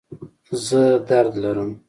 زه درد لرم